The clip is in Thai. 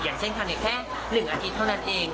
อย่างเช่นทำอีกแค่๑อาทิตย์เท่านั้นเอง